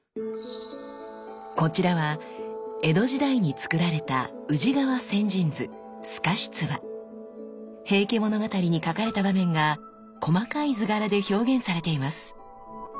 こちらは江戸時代につくられた「平家物語」に書かれた場面が細かい図柄で表現されています。